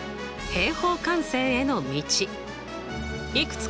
平方完成への道